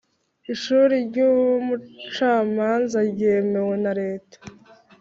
Ishuri ry ubucamanza ryemewe na Leta